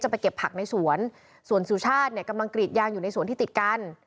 ไปเก็บผักในสวนส่วนสุชาติเนี่ยกำลังกรีดยางอยู่ในสวนที่ติดกัน